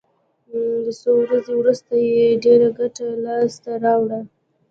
د څو ورځو وروسته یې ډېره ګټه لاس ته راوړه.